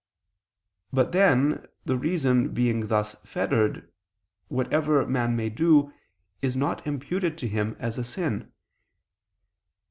But then, the reason being thus fettered, whatever man may do, it is not imputed to him as a sin.